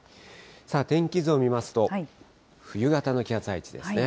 さあ、天気図を見ますと、冬型の気圧配置ですね。